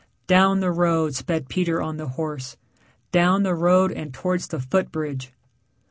Down the road sped Peter on the horse down the road and towards the foot bridge.